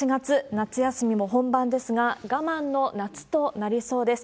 夏休みも本番ですが、我慢の夏となりそうです。